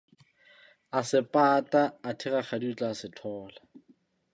A se pata athe Rakgadi o tla se thola.